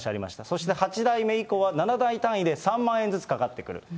そして８代目以降は、７代単位で、３万円ずつかかってくると。